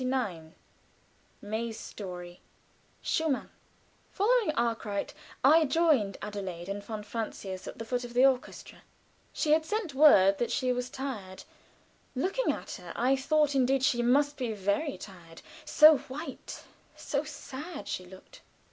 MAY'S STORY. [Illustration: Music, SCHUMANN] Following Arkwright, I joined Adelaide and von Francius at the foot of the orchestra. She had sent word that she was tired. Looking at her, I thought indeed she must be very tired, so white, so sad she looked.